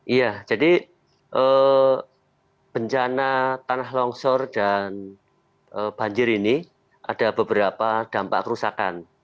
iya jadi bencana tanah longsor dan banjir ini ada beberapa dampak kerusakan